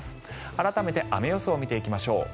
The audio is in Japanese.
改めて雨予想を見ていきましょう。